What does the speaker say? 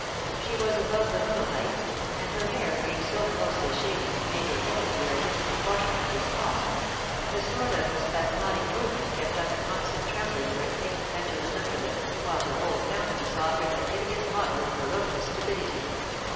She was above the middle height, and her hair being so closely shaven made her head appear disproportionately small; a sort of spasmodic movement kept up a constant trembling in her thick, pendulous under lip, while her whole countenance offered the hideous model of ferocious stupidity.